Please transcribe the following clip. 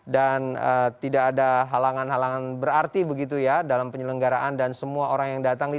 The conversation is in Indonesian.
dan tidak ada halangan halangan berarti begitu ya dalam penyelenggaraan dan semua orang yang datang di sana tetap